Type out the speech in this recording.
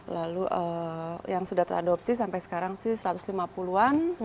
lalu yang sudah teradopsi sampai sekarang sih satu ratus lima puluh an